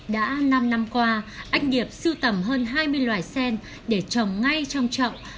đã năm năm qua anh điệp sưu tầm hơn hai mươi loại sen để trồng ngay trong trọng